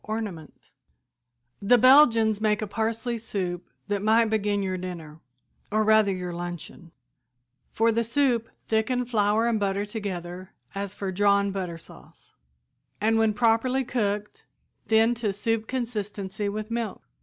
[Illustration: Assortment of Favorite Weeders] "The Belgians make a parsley soup that might begin your dinner, or rather your luncheon. For the soup, thicken flour and butter together as for drawn butter sauce, and when properly cooked thin to soup consistency with milk.